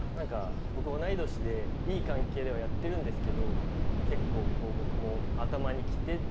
僕同い年でいい関係ではやってるんですけど結構。